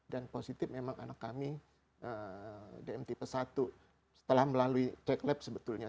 dan positif memang anak kami dmt pesatu setelah melalui check lab sebetulnya